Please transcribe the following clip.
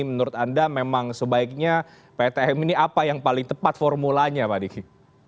menurut anda memang sebaiknya ptm ini apa yang paling tepat formulanya pak diki